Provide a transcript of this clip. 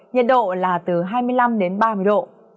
nhiệt độ là từ hai mươi năm đến ba mươi độ